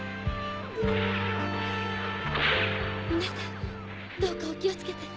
皆さんどうかお気を付けて。